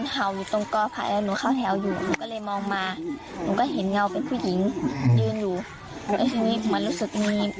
ห่างเหนือนภูมิแฟนวิวธรรม